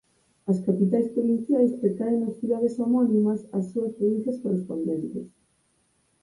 As capitais provinciais recaen nas cidades homónimas ás súas provincias correspondentes.